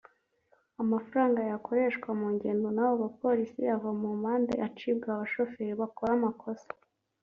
Amafaranga yakoreshwa mu ngendo n’abo bapolisi yava mu mande (fine) acibwa abashoferi bakora amakosa